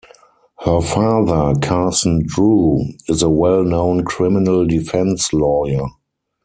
Her father, Carson Drew, is a well-known criminal defense lawyer.